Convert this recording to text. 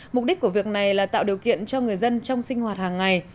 mục đích của việc này là tạo điều kiện cho người dân trong sinh hoạt hàng ngày